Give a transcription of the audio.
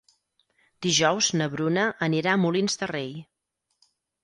Dijous na Bruna anirà a Molins de Rei.